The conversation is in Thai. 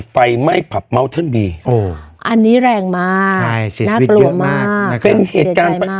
ไฟไหม้ผับอันนี้แรงมากใช่นัดปรวมมากเป็นเหตุการณ์